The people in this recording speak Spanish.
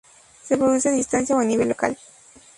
Se produce a distancia o a nivel local.